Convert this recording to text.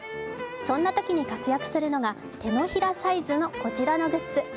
そんなときに活躍するのが手のひらサイズのこちらのグッズ。